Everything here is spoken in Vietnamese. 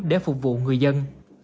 để phục vụ người dân